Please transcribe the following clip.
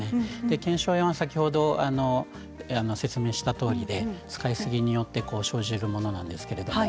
腱鞘炎は先ほど説明したとおり使いすぎによって生じるものなんですけれど